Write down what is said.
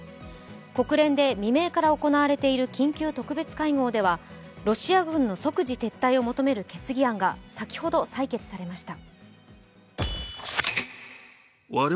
国連で未明から行われている緊急特別会合ではロシア軍の即時撤退を求める決議案が先ほど採決されました。